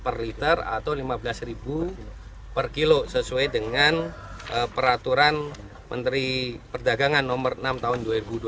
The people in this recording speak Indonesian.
lima belas ribu per kilo sesuai dengan peraturan menteri perdagangan nomor enam tahun dua ribu dua puluh dua